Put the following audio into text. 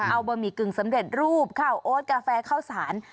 เอาบะหมี่กึ่งสำเร็จรูปข้าวโอ๊ตกาแฟข้าวสาร